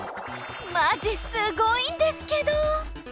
マジすごいんですけど。